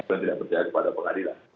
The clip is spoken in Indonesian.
saya tidak percaya kepada pengadilan